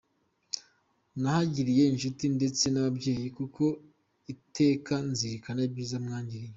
Nahagiriye inshuti ndetse n’ababyeyi kuko iteka nzirikana ibyiza mwangiriye.